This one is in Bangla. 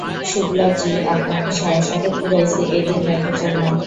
শুক্লা জী আপনাকে সারা শহর ঘুরাইছি, এই দিন দেখার জন্য?